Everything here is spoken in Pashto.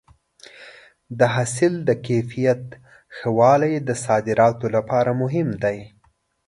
د حاصل د کیفیت ښه والی د صادراتو لپاره مهم دی.